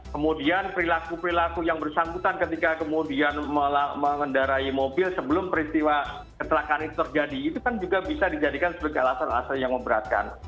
kemudian perilaku perilaku yang bersangkutan ketika kemudian mengendarai mobil sebelum peristiwa kecelakaan itu terjadi itu kan juga bisa dijadikan sebagai alasan alasan yang memberatkan